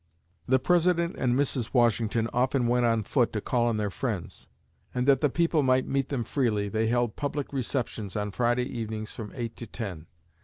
The President and Mrs. Washington often went on foot to call on their friends, and that the people might meet them freely, they held public receptions on Friday evenings from eight to ten.